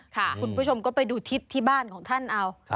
คุณผู้ชมก็ไปดูทิศที่บ้านของท่านเอา